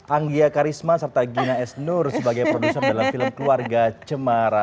anggia karisma serta gina snur sebagai produser dalam film keluarga cemara